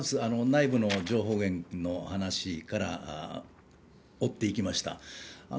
内部の情報源の話から追っていきました。